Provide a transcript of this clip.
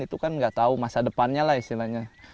itu kan nggak tahu masa depannya lah istilahnya